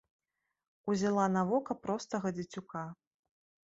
Узяла на вока простага дзецюка.